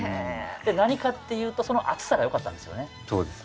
で何かっていうとその熱さがよかったんですよね。